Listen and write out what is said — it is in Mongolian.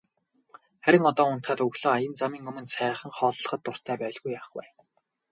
Харин одоо унтаад өглөө аян замын өмнө сайхан хооллоход дуртай байлгүй яах вэ.